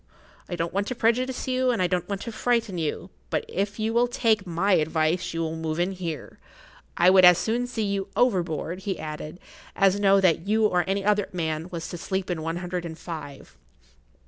I don't want to prejudice you, and I don't want to frighten you, but if you will take my advice you will move in here. I would as soon see you overboard," he added, "as know that you or any other man was to sleep in one hundred and five."